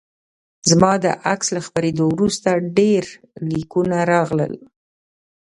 زما د عکس له خپریدو وروسته ډیر لیکونه راغلل